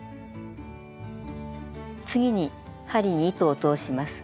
次に針に糸を通します。